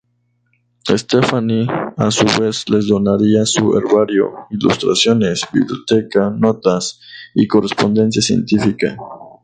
Stephani a su vez les donaría su herbario, ilustraciones, biblioteca, notas y correspondencia científica.